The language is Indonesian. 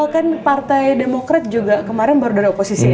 kan partai demokrat juga kemarin baru dari oposisi